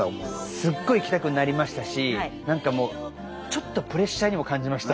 すっごい行きたくなりましたし何かもうちょっとプレッシャーにも感じました。